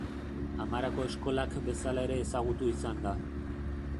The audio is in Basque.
Amarako eskolak bezala ere ezagutu izan da.